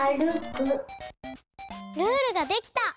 ルールができた！